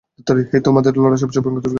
হেই, তোমাদের লড়া সবচেয়ে - ভয়ঙ্কর ভিলেন কোনটা?